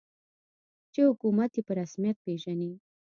چې حکومت یې په رسمیت پېژني.